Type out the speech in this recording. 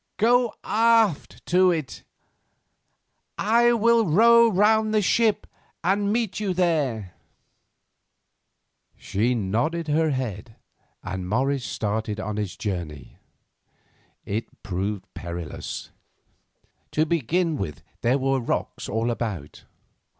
Go aft to it, I will row round the ship and meet you there." She nodded her head, and Morris started on his journey. It proved perilous. To begin with, there were rocks all about.